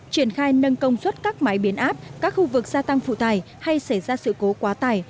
triển khai nâng công suất các máy biến áp các khu vực gia tăng phụ tải hay xảy ra sự cố quá tài